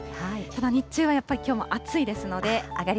ただ、日中はやっぱりきょうも暑いですので。